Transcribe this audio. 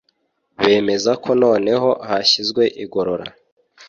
bemeza ko noneho yashyizwe igorora